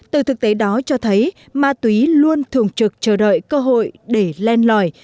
từ thực tế đó cho thấy ma túy luôn thường trực chờ đợi cơ hội để len lỏi